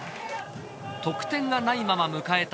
得点がないまま迎えた